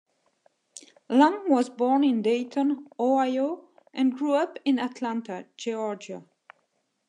Lang was born in Dayton, Ohio, and grew up in Atlanta, Georgia.